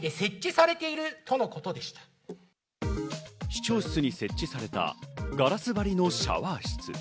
市長室に設置されたガラス張りのシャワー室。